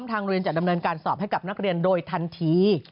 ทางเรียนจะดำเนินการสอบให้กับนักเรียนโดยทันที